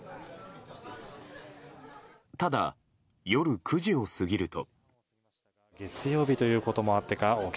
ただ、夜９時を過ぎると。